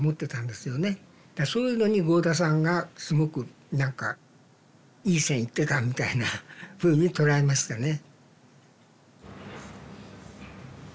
そういうのに合田さんがすごく何かいい線いってたみたいなふうに捉えましたね。